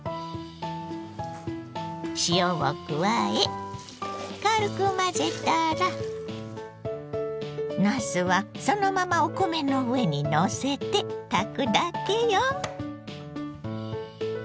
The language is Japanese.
塩を加え軽く混ぜたらなすはそのままお米の上にのせて炊くだけよ。